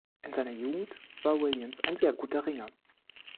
In seiner Jugend war Williams ein sehr guter Ringer.